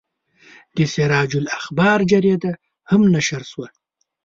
د سراج الاخبار جریده هم نشر شوه.